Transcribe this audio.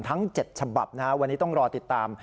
ทั้ง๗ฉบับวันนี้ต้องรอติดตาม